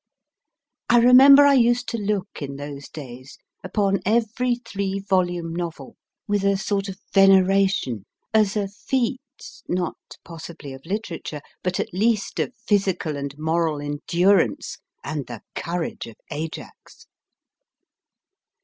I remember I used to look, in those days, upon every three volume novel with a sort of 6 ^S 300 MY FIRST BOOK veneration, as a feat not possibly of literature but at least of physical and moral endurance and the courage of Ajax.